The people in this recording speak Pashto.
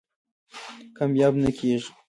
کامیاب نه کېږي.